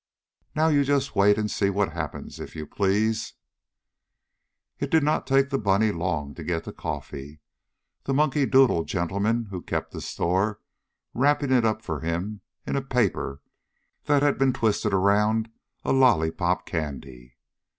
Now you just wait and see what happens, if you please. It did not take the bunny long to get the coffee; the monkey doodle gentleman who kept the store wrapping it up for him in a paper that had been twisted around a lollypop candy.